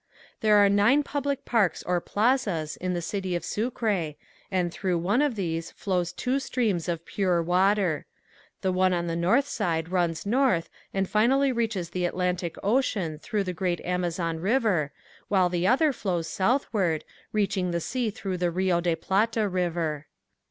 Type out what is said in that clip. There are nine public parks or plazas in the city of Sucre and through one of these flows two streams of pure water. The one on the north side runs north and finally reaches the Atlantic Ocean through the great Amazon river while the other flows southward reaching the sea through the Rio de la Plata river.